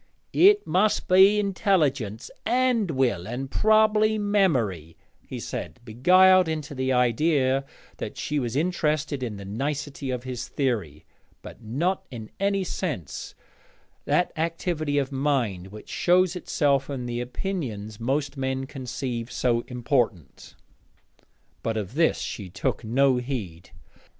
'It must be intelligence, and will, and probably memory,' he said, beguiled into the idea that she was interested in the nicety of his theory, 'but not in any sense that activity of mind which shows itself in the opinions most men conceive so important.' But of this she took no heed.